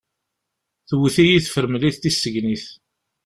Tewwet-iyi tefremlit tissegnit.